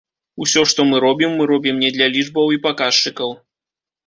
Усё, што мы робім, мы робім не для лічбаў і паказчыкаў.